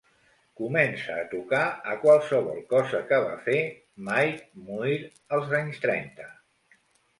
Comença a tocar a qualsevol cosa que va fer Mike Muir als anys trenta